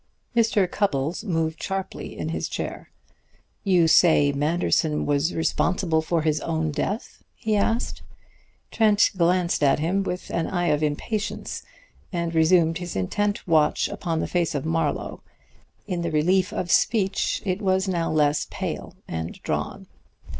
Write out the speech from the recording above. Mr. Cupples moved sharply in his chair. "You say Manderson was responsible for his own death?" he asked. Trent glanced at him with an eye of impatience, and resumed his intent watch upon the face of Marlowe. In the relief of speech it was now less pale and drawn.